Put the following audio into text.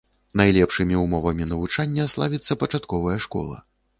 Найлепшымі ўмовамі навучання славіцца пачатковая школа.